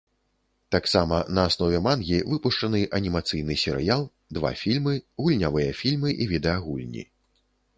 Таксама на аснове мангі выпушчаны анімацыйны серыял, два фільмы, гульнявыя фільмы і відэагульні.